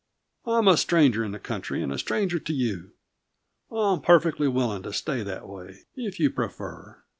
I'm a stranger in the country and a stranger to you. I'm perfectly willing to stay that way, if you prefer.